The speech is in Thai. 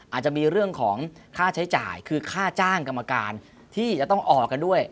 อาจจะมีเรื่องของค่าใช้จ่ายคือค่าจ้างกรรมการที่จะต้องออกกันด้วย